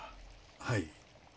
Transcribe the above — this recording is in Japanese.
はい。